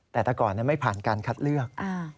แต่แต่ก่อนไม่ผ่านการคัดเลือก